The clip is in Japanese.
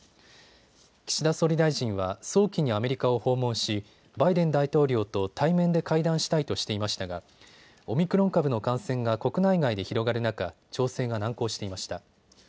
岸田総理大臣は早期にアメリカを訪問し、バイデン大統領と対面で会談したいとしていましたがオミクロン株の感染が国内外で広がる中、調整が難航していました。